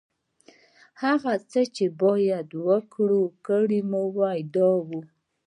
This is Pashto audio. هغه څه چې باید کړي مې وای، دا و.